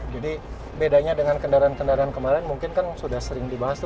jadi bedanya dengan kendaraan kendaraan kemarin mungkin kan sudah sering dibahas tuh